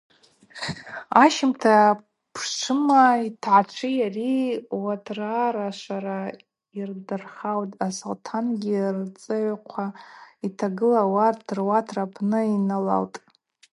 Ащымта апшвыма йтгӏачви йари уатрарашвара йдырхаутӏ, а-Салтӏангьи рцӏыхъва йтагыла ауат руатра апны йналалтӏ.